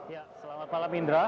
ya selamat malam indra